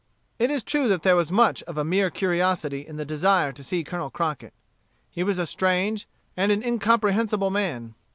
It is true that there was much of mere curiosity in the desire to see Colonel Crockett. He was a strange and an incomprehensible man.